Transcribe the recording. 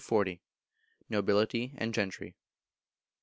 Nobility and Gentry.